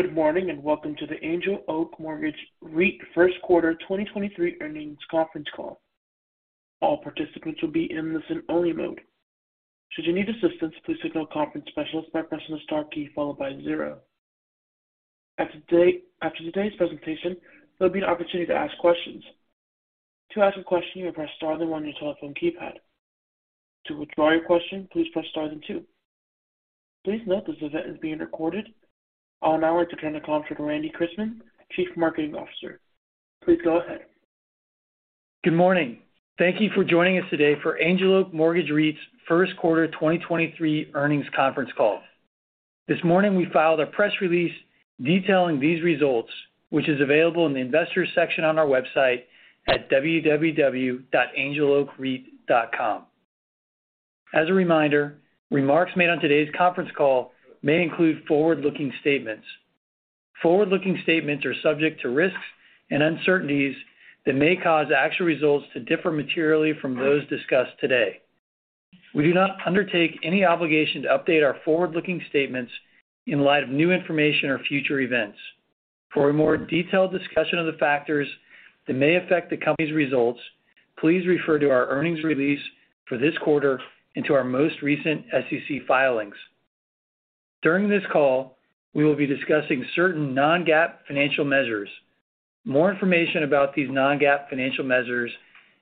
Good morning, welcome to the Angel Oak Mortgage REIT First Quarter 2023 Earnings Conference Call. All participants will be in listen only mode. Should you need assistance, please signal a conference specialist by pressing the star key followed by 0. After today's presentation, there'll be an opportunity to ask questions. To ask a question, you may press star then 1 on your telephone keypad. To withdraw your question, please press star then 2. Please note this event is being recorded. I'll now like to turn the call to Randy Chrisman, Chief Marketing Officer. Please go ahead. Good morning. Thank you for joining us today for Angel Oak Mortgage REIT's First Quarter 2023 earnings conference call. This morning, we filed a press release detailing these results, which is available in the investors section on our website at www.angeloakreit.com. As a reminder, remarks made on today's conference call may include forward-looking statements. Forward-looking statements are subject to risks and uncertainties that may cause actual results to differ materially from those discussed today. We do not undertake any obligation to update our forward-looking statements in light of new information or future events. For a more detailed discussion of the factors that may affect the company's results, please refer to our earnings release for this quarter and to our most recent SEC filings. During this call, we will be discussing certain non-GAAP financial measures. More information about these non-GAAP financial measures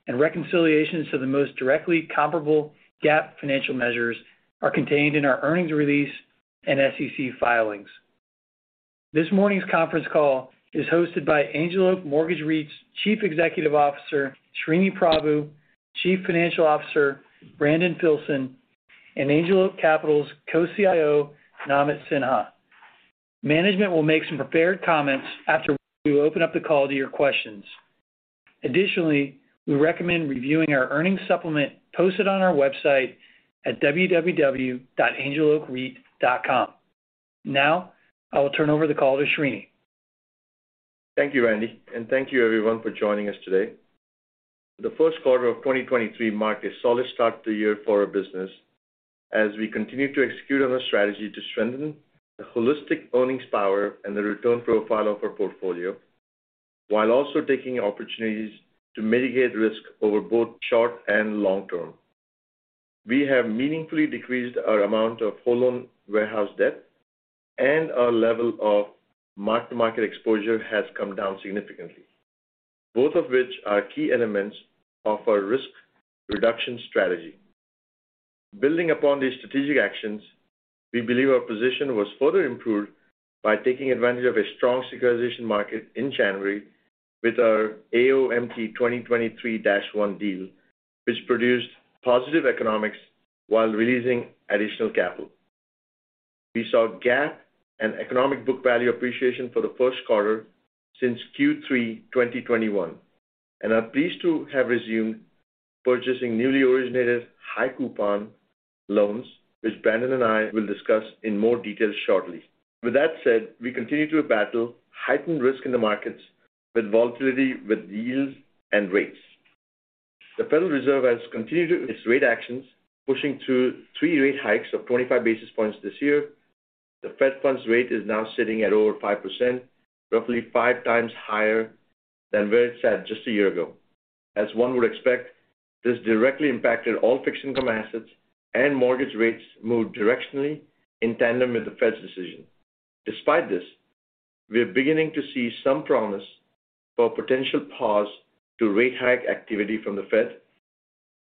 and reconciliations to the most directly comparable GAAP financial measures are contained in our earnings release and SEC filings. This morning's conference call is hosted by Angel Oak Mortgage REIT's Chief Executive Officer, Sreeni Prabhu, Chief Financial Officer, Brandon Filson, and Angel Oak Capital's Co-CIO, Namit Sinha. Management will make some prepared comments after we open up the call to your questions. Additionally, we recommend reviewing our earnings supplement posted on our website at www.angeloakreit.com. Now, I will turn over the call to Sreeni. Thank you, Randy. Thank you everyone for joining us today. The 1st quarter of 2023 marked a solid start to the year for our business as we continue to execute on our strategy to strengthen the holistic earnings power and the return profile of our portfolio, while also taking opportunities to mitigate risk over both short and long term. We have meaningfully decreased our amount of whole loan warehouse debt and our level of mark-to-market exposure has come down significantly, both of which are key elements of our risk reduction strategy. Building upon these strategic actions, we believe our position was further improved by taking advantage of a strong securitization market in January with our AOMT 2023-1 deal, which produced positive economics while releasing additional capital. We saw GAAP and economic book value appreciation for the first quarter since Q3 2021 and are pleased to have resumed purchasing newly originated high coupon loans, which Brandon and I will discuss in more detail shortly. With that said, we continue to battle heightened risk in the markets with volatility with yields and rates. The Federal Reserve has continued its rate actions, pushing through 3 rate hikes of 25 basis points this year. The Fed funds rate is now sitting at over 5%, roughly 5 times higher than where it sat just a year ago. As one would expect, this directly impacted all fixed income assets, and mortgage rates moved directionally in tandem with the Fed's decision. Despite this, we are beginning to see some promise for a potential pause to rate hike activity from the Fed,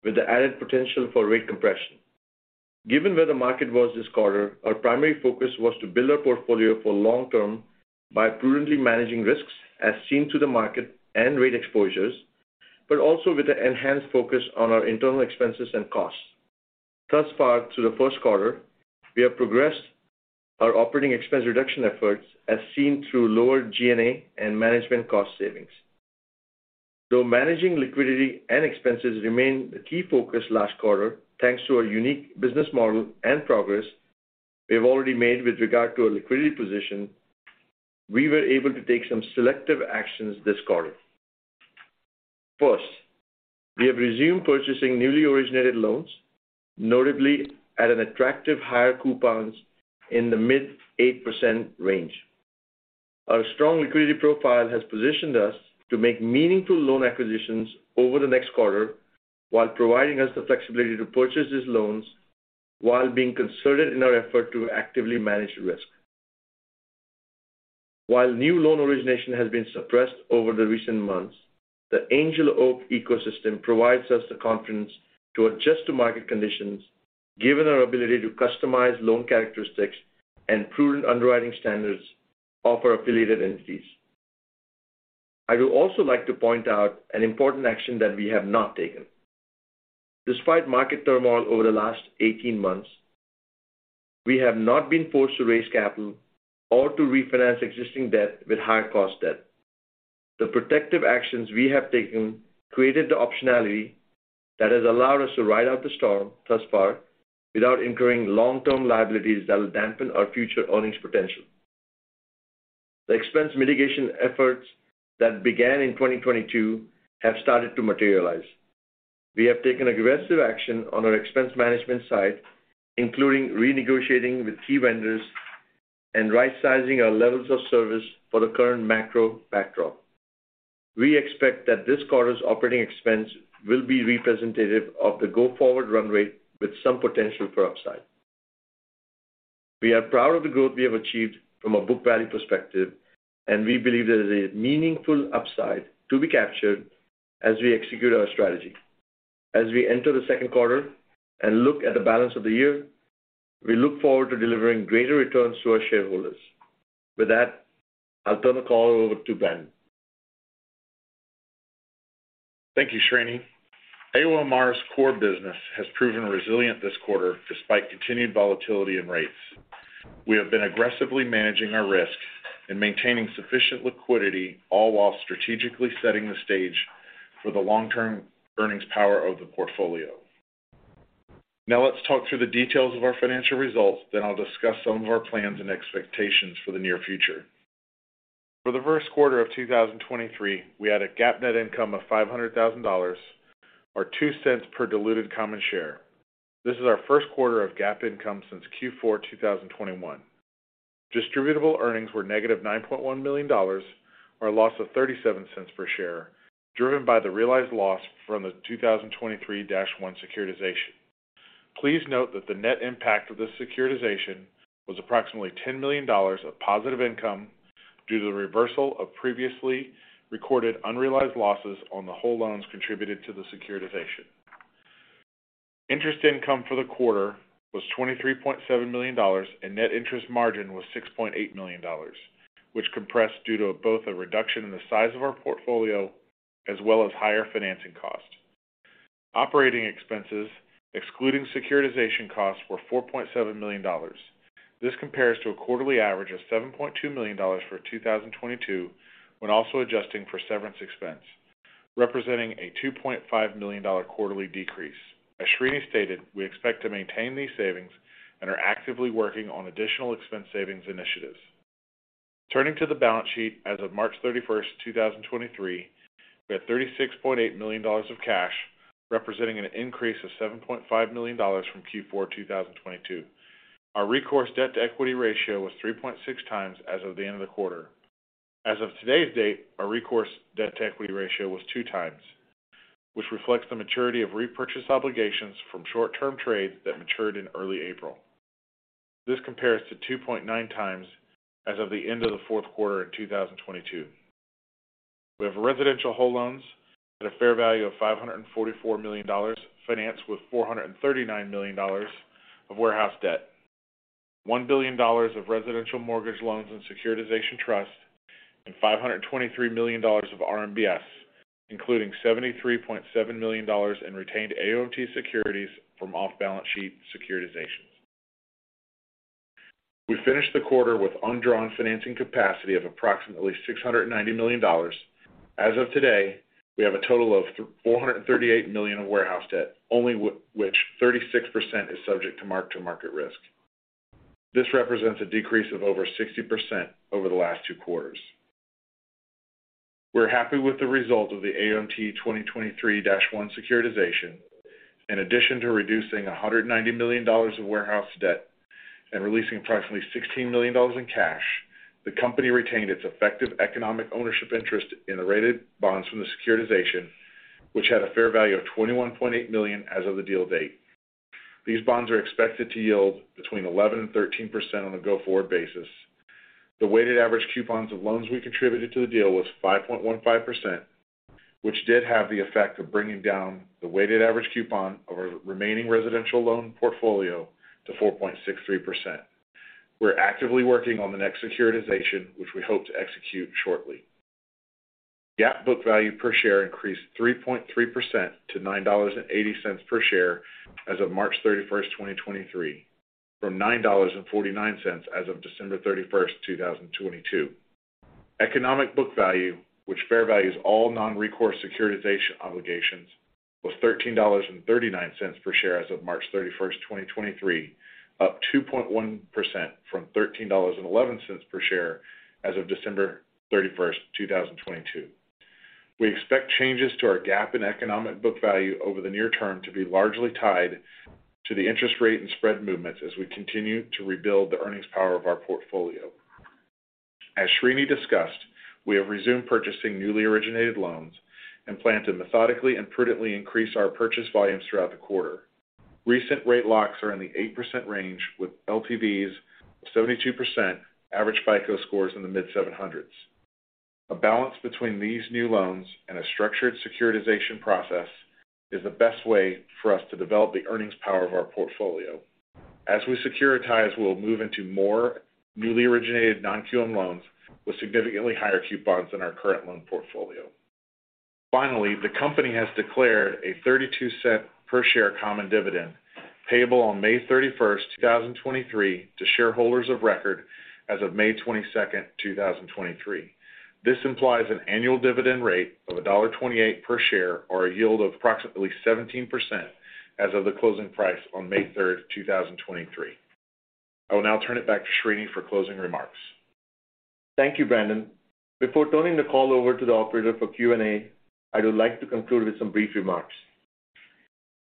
with the added potential for rate compression. Given where the market was this quarter, our primary focus was to build our portfolio for long-term by prudently managing risks as seen through the market and rate exposures, also with an enhanced focus on our internal expenses and costs. Thus far, through the first quarter, we have progressed our operating expense reduction efforts as seen through lower G&A and management cost savings. Managing liquidity and expenses remained a key focus last quarter, thanks to our unique business model and progress we have already made with regard to our liquidity position, we were able to take some selective actions this quarter. First, we have resumed purchasing newly originated loans, notably at an attractive higher coupons in the mid-8% range. Our strong liquidity profile has positioned us to make meaningful loan acquisitions over the next quarter while providing us the flexibility to purchase these loans while being concerted in our effort to actively manage risk. While new loan origination has been suppressed over the recent months, the Angel Oak ecosystem provides us the confidence to adjust to market conditions, given our ability to customize loan characteristics and prudent underwriting standards of our affiliated entities. I would also like to point out an important action that we have not taken. Despite market turmoil over the last 18 months, we have not been forced to raise capital or to refinance existing debt with higher cost debt. The protective actions we have taken created the optionality that has allowed us to ride out the storm thus far without incurring long-term liabilities that will dampen our future earnings potential. The expense mitigation efforts that began in 2022 have started to materialize. We have taken aggressive action on our expense management side, including renegotiating with key vendors and rightsizing our levels of service for the current macro backdrop. We expect that this quarter's operating expense will be representative of the go-forward run rate with some potential for upside. We are proud of the growth we have achieved from a book value perspective. We believe there is a meaningful upside to be captured as we execute our strategy. As we enter the second quarter and look at the balance of the year, we look forward to delivering greater returns to our shareholders. With that, I'll turn the call over to Ben. Thank you, Sreeni. AOMR's core business has proven resilient this quarter despite continued volatility in rates. We have been aggressively managing our risk and maintaining sufficient liquidity, all while strategically setting the stage for the long-term earnings power of the portfolio. Let's talk through the details of our financial results, then I'll discuss some of our plans and expectations for the near future. For the first quarter of 2023, we had a GAAP net income of $500,000, or $0.02 per diluted common share. This is our first quarter of GAAP income since Q4 2021. Distributable earnings were -$9.1 million, or a loss of $0.37 per share, driven by the realized loss from the 2023-1 securitization. Please note that the net impact of this securitization was approximately $10 million of positive income due to the reversal of previously recorded unrealized losses on the whole loans contributed to the securitization. Interest income for the quarter was $23.7 million, and net interest margin was $6.8 million, which compressed due to both a reduction in the size of our portfolio as well as higher financing cost. Operating expenses, excluding securitization costs, were $4.7 million. This compares to a quarterly average of $7.2 million for 2022 when also adjusting for severance expense, representing a $2.5 million quarterly decrease. As Srini stated, we expect to maintain these savings and are actively working on additional expense savings initiatives. Turning to the balance sheet, as of March 31st, 2023, we had $36.8 million of cash, representing an increase of $7.5 million from Q4 2022. Our recourse debt-to-equity ratio was 3.6 times as of the end of the quarter. As of today's date, our recourse debt-to-equity ratio was 2 times, which reflects the maturity of repurchase obligations from short-term trades that matured in early April. This compares to 2.9 times as of the end of the fourth quarter in 2022. We have residential whole loans at a fair value of $544 million, financed with $439 million of warehouse debt, $1 billion of residential mortgage loans and securitization trust, and $523 million of RMBS, including $73.7 million in retained AOMT securities from off-balance sheet securitizations. We finished the quarter with undrawn financing capacity of approximately $690 million. As of today, we have a total of $438 million in warehouse debt, only which 36% is subject to mark-to-market risk. This represents a decrease of over 60% over the last two quarters. We're happy with the result of the AOMT 2023-1 securitization. In addition to reducing $190 million of warehouse debt and releasing approximately $16 million in cash, the company retained its effective economic ownership interest in the rated bonds from the securitization, which had a fair value of $21.8 million as of the deal date. These bonds are expected to yield between 11%-13% on a go-forward basis. The weighted average coupons of loans we contributed to the deal was 5.15%, which did have the effect of bringing down the weighted average coupon of our remaining residential loan portfolio to 4.63%. We're actively working on the next securitization, which we hope to execute shortly. GAAP book value per share increased 3.3% to $9.80 per share as of March 31, 2023, from $9.49 as of December 31st, 2022. Economic book value, which fair values all non-recourse securitization obligations, was $13.39 per share as of March 31, 2023, up 2.1% from $13.11 per share as of December 31st, 2022. We expect changes to our GAAP and economic book value over the near term to be largely tied to the interest rate and spread movements as we continue to rebuild the earnings power of our portfolio. As Srini discussed, we have resumed purchasing newly originated loans and plan to methodically and prudently increase our purchase volumes throughout the quarter. Recent rate locks are in the 8% range with LTVs of 72%, average FICO scores in the mid-seven hundreds. A balance between these new loans and a structured securitization process is the best way for us to develop the earnings power of our portfolio. As we securitize, we'll move into more newly originated non-QM loans with significantly higher coupons than our current loan portfolio. Finally, the company has declared a $0.32 per share common dividend payable on May 31st, 2023 to shareholders of record as of May 22nd, 2023. This implies an annual dividend rate of $1.28 per share or a yield of approximately 17% as of the closing price on May 3rd, 2023. I will now turn it back to Sreeni for closing remarks. Thank you, Brandon. Before turning the call over to the operator for Q&A, I would like to conclude with some brief remarks.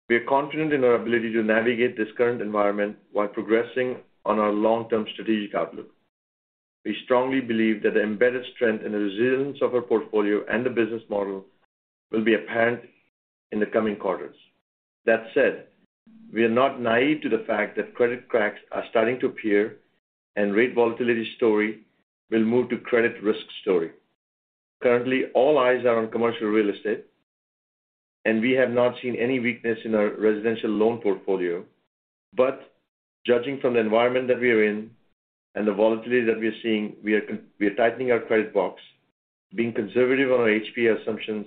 We are confident in our ability to navigate this current environment while progressing on our long-term strategic outlook. We strongly believe that the embedded strength and the resilience of our portfolio and the business model will be apparent in the coming quarters. That said, we are not naive to the fact that credit cracks are starting to appear and rate volatility story will move to credit risk story. Currently, all eyes are on commercial real estate, and we have not seen any weakness in our residential loan portfolio. Judging from the environment that we are in and the volatility that we are seeing, we are tightening our credit box, being conservative on our HPA assumptions,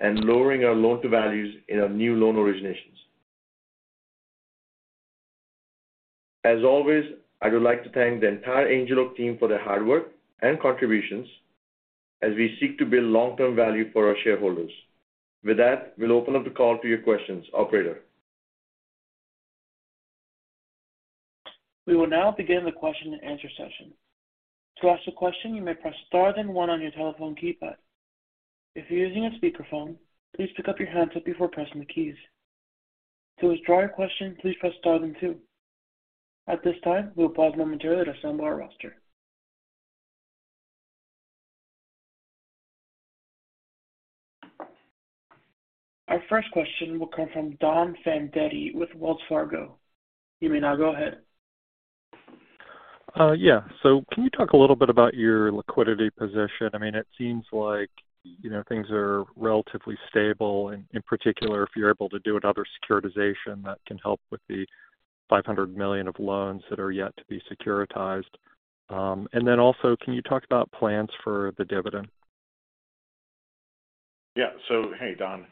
and lowering our loan-to-values in our new loan originations. As always, I would like to thank the entire Angel Oak team for their hard work and contributions as we seek to build long-term value for our shareholders. With that, we'll open up the call to your questions. Operator? We will now begin the question and answer session. To ask a question, you may press star then one on your telephone keypad. If you're using a speakerphone, please pick up your handset before pressing the keys. To withdraw your question, please press star then two. At this time, we'll pause momentarily to assemble our roster. Our first question will come from Donald Fandetti with Wells Fargo. You may now go ahead. Yeah. Can you talk a little bit about your liquidity position? I mean, it seems like, you know, things are relatively stable and in particular, if you're able to do another securitization, that can help with the $500 million of loans that are yet to be securitized. Also can you talk about plans for the dividend? Hey, Don.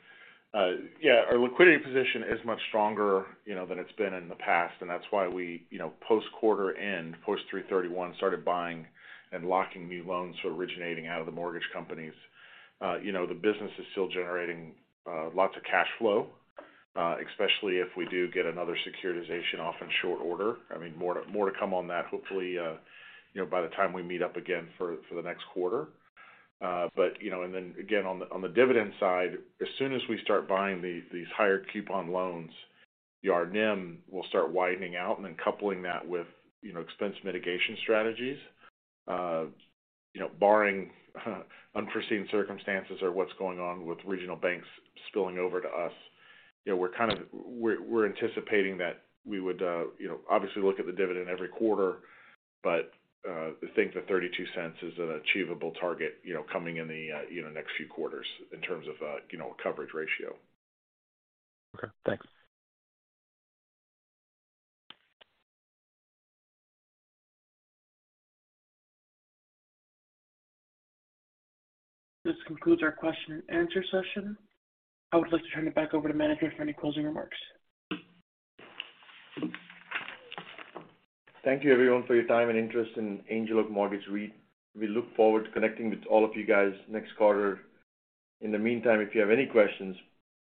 Yeah, our liquidity position is much stronger, you know, than it's been in the past, and that's why we, you know, post quarter end, post 3/31, started buying and locking new loans originating out of the mortgage companies. You know, the business is still generating lots of cash flow, especially if we do get another securitization off in short order. I mean, more to come on that hopefully, you know, by the time we meet up again for the next quarter. You know, and then again on the dividend side, as soon as we start buying these higher coupon loans, your NIM will start widening out and then coupling that with, you know, expense mitigation strategies. you know, barring unforeseen circumstances or what's going on with regional banks spilling over to us, you know, we're kind of we're anticipating that we would, you know, obviously look at the dividend every quarter. I think the $0.32 is an achievable target, you know, coming in the, you know, next few quarters in terms of, you know, coverage ratio. Okay, thanks. This concludes our question and answer session. I would like to turn it back over to manager for any closing remarks. Thank you everyone for your time and interest in Angel Oak Mortgage. We look forward to connecting with all of you guys next quarter. In the meantime, if you have any questions,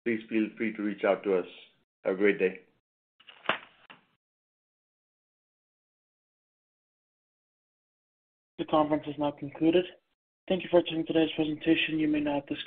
please feel free to reach out to us. Have a great day. The conference is now concluded. Thank you for attending today's presentation. You may now disconnect.